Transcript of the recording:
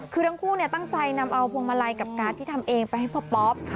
คือทั้งคู่ตั้งใจนำเอาพวงมาลัยกับการ์ดที่ทำเองไปให้พ่อป๊อป